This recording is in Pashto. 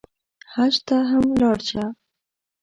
حج ته هم لاړ شه.